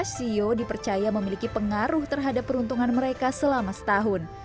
ceo dipercaya memiliki pengaruh terhadap peruntungan mereka selama setahun